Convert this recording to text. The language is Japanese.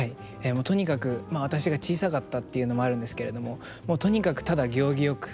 もうとにかくまあ私が小さかったっていうのもあるんですけれどもとにかくただ行儀よく。